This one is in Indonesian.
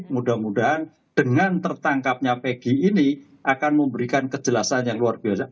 mudah mudahan dengan tertangkapnya pg ini akan memberikan kejelasan yang luar biasa